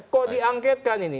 kok diangketkan ini